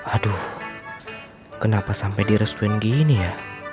aduh kenapa sampai di restuin gini ya